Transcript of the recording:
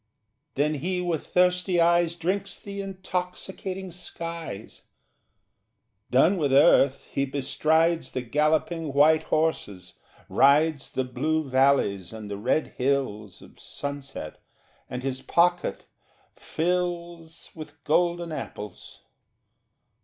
Then he with thirsty eyes Drinks the intoxicating skies. Done with earth, he bestrides The galloping white horses, rides The blue valleys and the red hills Of sunset, and his pocket fills With golden apples.